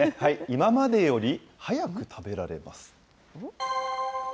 今までより早く食べられます。